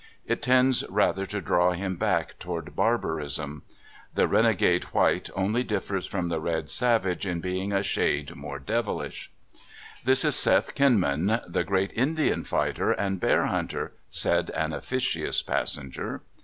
It tends rather to draw him back to ward barbarism. The renegade white only differs from the red savage in being a shade more devijish. (107^ 105 The Ethics of Grizzly Hunting. "This is Seth Kinmau, the great Indian fighter and bear hunter," said an officious passenger.